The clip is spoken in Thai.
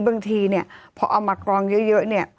บางทีเนี่ยพอเอามากรองเยอะเนี่ย